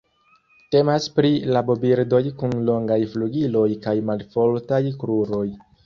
Temas pri rabobirdoj kun longaj flugiloj kaj malfortaj kruroj.